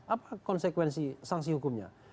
apa konsekuensi sanksi hukumnya